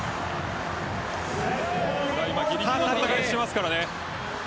今、ぎりぎりの戦いしていますからね。